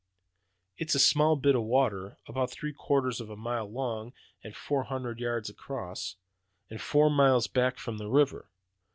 "It's a small bit of water, about three quarters of a mile long and four hundred yards across, and four miles back from the river.